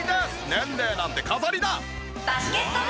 年齢なんて飾りだ！